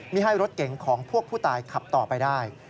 ไม่ให้รถเก่งของพวกผู้ตายขับต่อไปได้